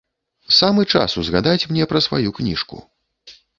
Самы час узгадаць мне пра сваю кніжку.